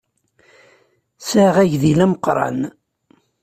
Ssɛiɣ agdil ameqran.